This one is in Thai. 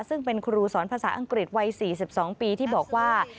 ซึ่งเป็นครูสอนภาษาอังกฤษวัย๔๒ปีที่บอกว่า